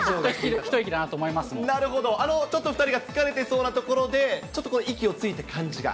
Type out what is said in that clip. なるほど、ちょっと２人が疲れてそうなところで、ちょっと息をついている感じが。